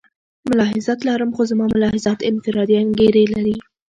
ملاحظات لرم خو زما ملاحظات انفرادي انګېرنې دي.